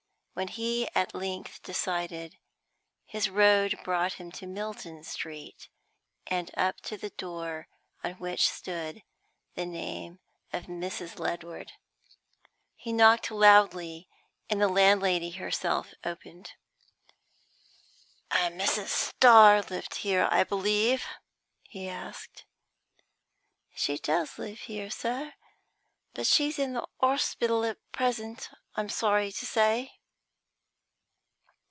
When he at length decided, his road brought him to Milton Street, and up to the door on which stood the name of Mrs. Ledward. He knocked loudly, and the landlady herself opened. "A Mrs. Starr lived here, I believe?" he asked. "She does live here, sir, but she's in the orspital at present, I'm sorry to say."